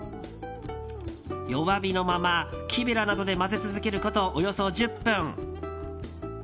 弱火のまま、木べらなどで混ぜ続けることおよそ１０分。